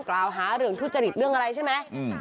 กล่าวหาเรื่องทุจริตเรื่องอะไรใช่ไหม